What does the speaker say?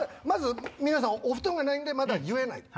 皆さんお布団がないんでまだ言えない。